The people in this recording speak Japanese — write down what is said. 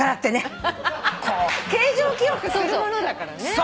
形状記憶するものだからね。